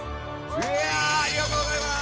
いやぁありがとうございます！